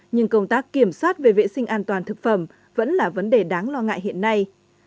nhưng công tác kiểm soát về vệ sinh an toàn thực phẩm vẫn là vấn đề đáng lo ngại hiện nay